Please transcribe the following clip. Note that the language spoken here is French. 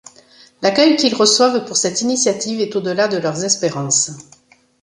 L'accueil qu'ils reçoivent pour cette initiative est au-delà de leurs espérances.